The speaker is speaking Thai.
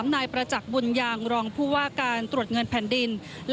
นายประจักษ์บุญยางรองผู้ว่าการตรวจเงินแผ่นดิน